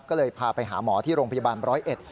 ก็เลยพาไปหาหมอที่โรงพยาบาลร้อยเอ็ด